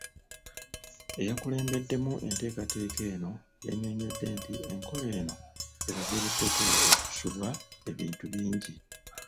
Eyakulembeddemu enteekateeka eno yannyonnyodde nti enkola eno abaviiriddeko okusubwa ebintu bingi.